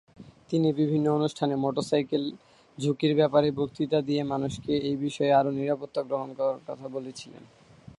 তিনি বিভিন্ন অনুষ্ঠানে মোটরসাইকেল ঝুঁকির ব্যাপারে বক্তৃতা দিয়ে মানুষকে এই বিষয়ে আরো নিরাপত্তা গ্রহণ করার কথা বলেছিলেন।